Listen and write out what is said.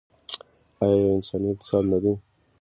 آیا یو انساني اقتصاد نه دی؟